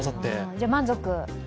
じゃ、満足？